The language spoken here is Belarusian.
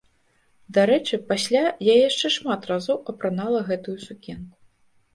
Дарэчы, пасля я яшчэ шмат разоў апранала гэтую сукенку.